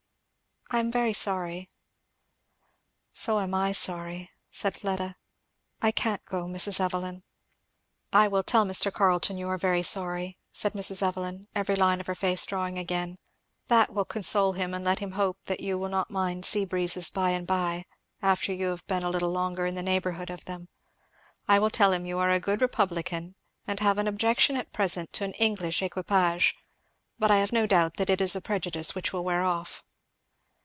I am very sorry " "So am I sorry," said Fleda. "I can't go, Mrs. Evelyn." "I will tell Mr. Carleton you are very sorry," said Mrs. Evelyn, every line of her face drawing again, "that will console him; and let him hope that you will not mind sea breezes by and by, after you have been a little longer in the neighbourhood of them. I will tell him you are a good republican, and have an objection at present to an English equipage, but I have no doubt that it is a prejudice which will wear off."